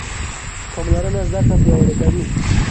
پاملرنه زده کړه پیاوړې کوي.